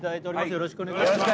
よろしくお願いします